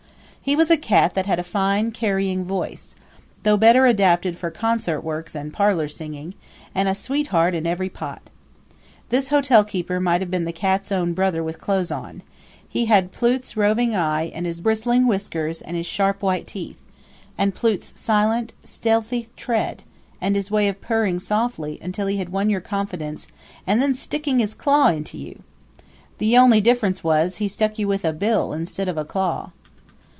He was a cat that had a fine carrying voice though better adapted for concert work than parlor singing and a sweetheart in every port. This hotelkeeper might have been the cat's own brother with clothes on he had Plute's roving eye and his bristling whiskers and his sharp white teeth, and Plute's silent, stealthy tread, and his way of purring softly until he had won your confidence and then sticking his claw into you. The only difference was, he stuck you with a bill instead of a claw.